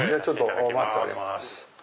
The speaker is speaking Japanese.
待っております。